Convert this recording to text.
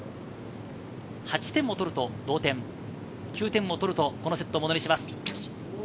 ８点を取ると同点、９点を取ると、このセットをものにします。